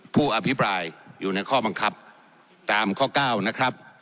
ผู้อภิปรายอยู่ในข้อบังคับตามข้อ๙นะครับ